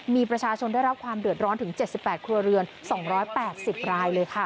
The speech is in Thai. มีประชาชนได้รับความเดือดร้อนถึง๗๘ครัวเรือน๒๘๐รายเลยค่ะ